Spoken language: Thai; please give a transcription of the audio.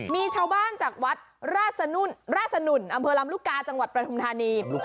มีชาวบ้านจากวัดราชสนุนอำเภอลำลูกกาจังหวัดประทุมธานี